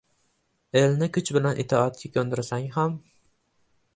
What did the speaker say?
— Elni kuch bilan itoatga ko‘ndirsang ham